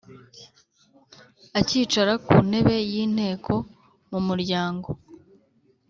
akicara ku ntébe y ínteko mu muryángo